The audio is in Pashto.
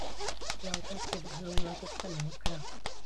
یو کس د بهلول نه پوښتنه وکړه.